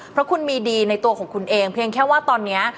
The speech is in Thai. เพราะคุณมีดีในตัวของคุณเองเพียงแค่ว่าตอนนี้